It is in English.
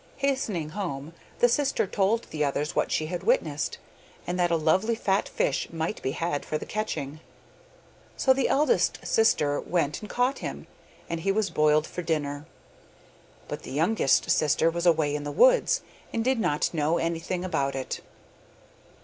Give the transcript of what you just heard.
Hastening home the sister told the others what she had witnessed, and that a lovely fat fish might be had for the catching. So the eldest sister went and caught him, and he was boiled for supper, but the youngest sister was away in the woods, and did not know anything about it.